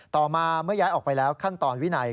ต่อมาเมื่อย้ายออกไปแล้วขั้นตอนวินัย